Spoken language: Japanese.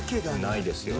ないですよね